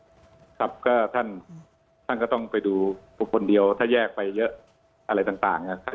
โอเคครับท่านต้องไปดูกับคนเดียวถ้าแยกไปเยอะอะไรต่าง